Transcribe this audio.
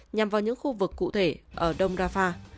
nhằm vào những khu vực cụ thể ở đông rafah